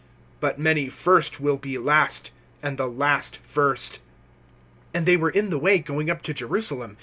(31)But many first will be last, and the last first. (32)And they were in the way going up to Jerusalem.